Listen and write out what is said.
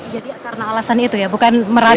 jadi karena alasan itu ya bukan merasa